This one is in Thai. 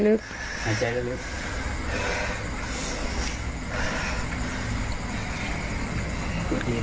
หายใจก็ลึก